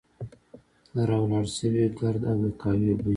د را ولاړ شوي ګرد او د قهوې بوی.